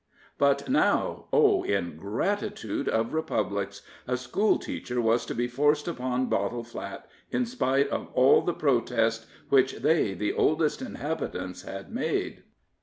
But now oh, ingratitude of republics! a schoolteacher was to be forced upon Bottle Flat in spite of all the protest which they, the oldest inhabitants, had made!